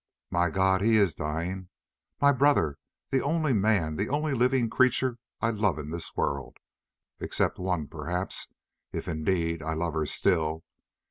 My God! he is dying! My brother—the only man—the only living creature I love in the world, except one perhaps, if indeed I love her still.